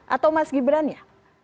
atau mas gibran ya